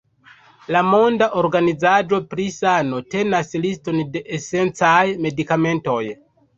La Monda Organizaĵo pri Sano tenas liston de esencaj medikamentoj.